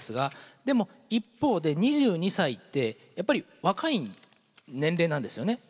でも一方で２２歳ってやっぱり若い年齢なんですよね。